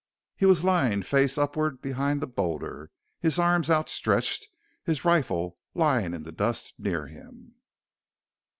He was lying face upward behind the boulder, his arms outstretched, his rifle lying in the dust near him.